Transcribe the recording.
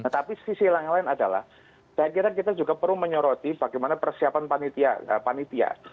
tapi sisi yang lain lain adalah saya kira kita juga perlu menyoroti bagaimana persiapan panitia